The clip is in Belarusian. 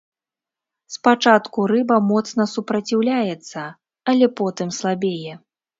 Спачатку рыба моцна супраціўляецца, але потым слабее.